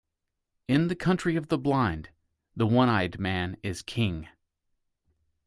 In the country of the blind, the one-eyed man is king.